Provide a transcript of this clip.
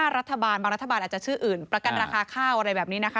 รัฐบาลบางรัฐบาลอาจจะชื่ออื่นประกันราคาข้าวอะไรแบบนี้นะคะ